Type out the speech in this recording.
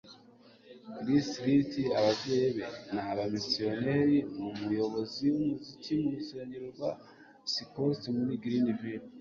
Chris Sligh, ababyeyi be ni abamisiyoneri, ni umuyobozi wumuziki mu rusengero rwa Seacoast muri Greenville.